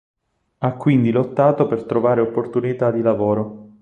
Ha quindi lottato per trovare opportunità di lavoro.